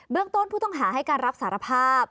ต้นผู้ต้องหาให้การรับสารภาพ